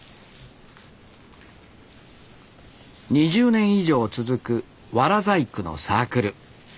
２０年以上続くワラ細工のサークル。